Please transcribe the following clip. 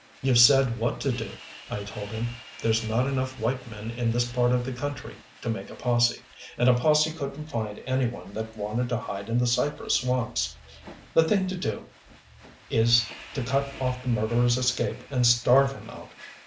"You've said what to do," I told him. "There's not enough white men in this part of the country to make a posse and a posse couldn't find any one that wanted to hide in the cypress swamps. The thing to do is to cut off the murderer's escape and starve him out.